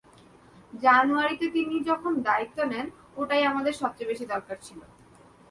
জানুয়ারিতে তিনি যখন দায়িত্ব নেন, ওটাই আমাদের সবচেয়ে বেশি দরকার ছিল।